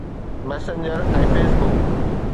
Facebook ۽ Messenger